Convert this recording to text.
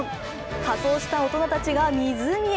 仮装した大人たちが湖へ。